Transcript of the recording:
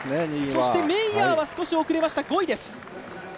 そしてメイヤーは少し遅れました５位です。